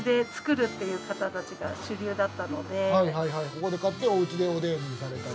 ここで買っておうちでおでんされたり。